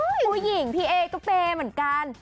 ผู้หญิงพี่เอก็เปย์เหมือนกัน